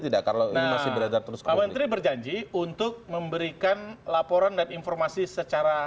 tidak kalau masih berada terus kementerian berjanji untuk memberikan laporan dan informasi secara